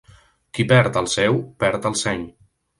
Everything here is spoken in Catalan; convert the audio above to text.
Qui perd el seu, perd el seny.